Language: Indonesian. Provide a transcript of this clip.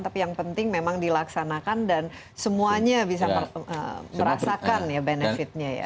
tapi yang penting memang dilaksanakan dan semuanya bisa merasakan ya benefitnya ya